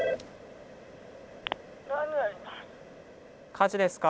☎火事ですか？